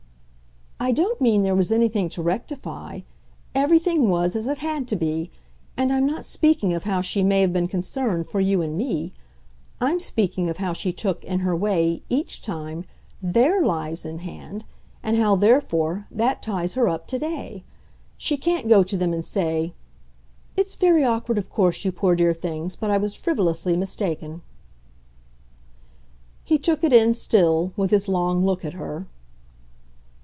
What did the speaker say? "I don't mean there was anything to rectify; everything was as it had to be, and I'm not speaking of how she may have been concerned for you and me. I'm speaking of how she took, in her way, each time, THEIR lives in hand, and how, therefore, that ties her up to day. She can't go to them and say 'It's very awkward of course, you poor dear things, but I was frivolously mistaken.'" He took it in still, with his long look at her.